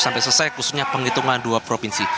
sampai selesai khususnya penghitungan dua provinsi